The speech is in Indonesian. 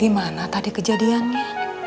gimana tadi kejadiannya